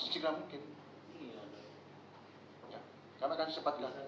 karena kan secepatnya